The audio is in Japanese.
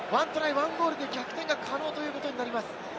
１ゴールで逆転が可能ということになります。